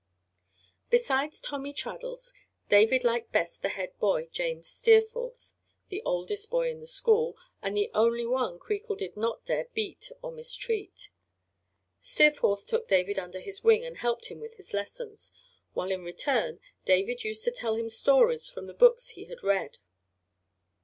Besides Tommy Traddles, David liked best the head boy, James Steerforth the oldest boy in the school, and the only one Creakle did not dare beat or mistreat. Steerforth took David under his wing and helped him with his lessons, while in return David used to tell him stories from the books he had read.